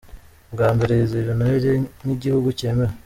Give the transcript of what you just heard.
Bwa mbere yizihije Noheli nk’igihugu cyemewe